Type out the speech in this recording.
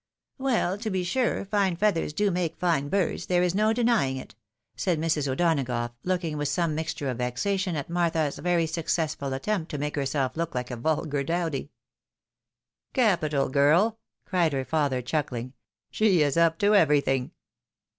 " Well, to be sure, fine feathers do make fine birds, there is no denying it," said Mrs. O'Donagough, looking with some mixture of vexation at Martha's very successful attempt to make herself look a vulgar dowdy. " Capital, girl !" cried her father, chuckhng. " She is up to everything."